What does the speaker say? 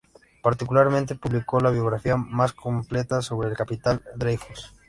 Particularmente publicó la biografía más completa sobre el capitán Dreyfus.